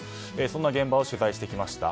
そんな現場を取材してきました。